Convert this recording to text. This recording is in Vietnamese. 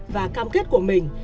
và cam kết của mình